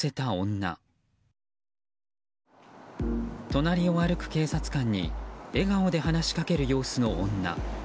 隣を歩く警察官に笑顔で話しかける様子の女。